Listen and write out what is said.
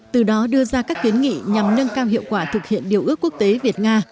từ đó đưa ra các kiến nghị nhằm nâng cao hiệu quả thực hiện điều ước quốc tế việt nga